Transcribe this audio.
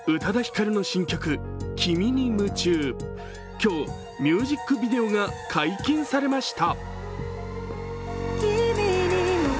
今日、ミュージックビデオが解禁されました。